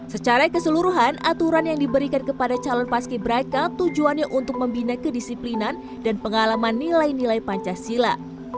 secara keseluruhan aturan yang diberikan kepada calon paski braka tujuannya untuk membina kedisiplinan dan pengalaman nilai nilai pancasila